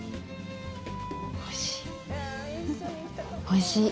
おいしい。